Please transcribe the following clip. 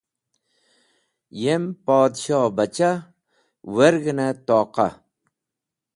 Yem podshohbachah werg̃hene toqa.